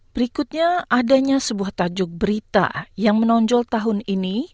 berikutnya adanya sebuah tajuk berita yang menonjol tahun ini